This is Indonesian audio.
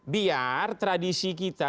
biar tradisi kita